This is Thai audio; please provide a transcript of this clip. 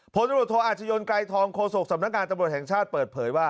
ผลตำรวจโทอาชญนไกรทองโฆษกสำนักงานตำรวจแห่งชาติเปิดเผยว่า